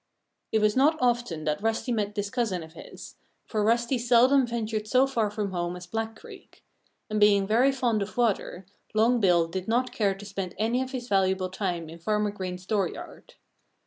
It was not often that Rusty met this cousin of his, for Rusty seldom ventured so far from home as Black Creek. And being very fond of water, Long Bill did not care to spend any of his valuable time in Farmer Green's dooryard.